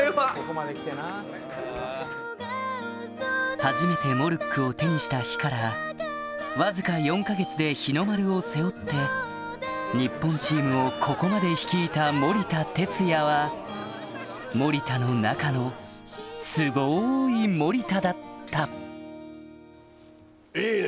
初めてモルックを手にした日からわずか４か月で日の丸を背負って日本チームをここまで率いた森田哲矢は森田の中のスゴい森田だったいいね！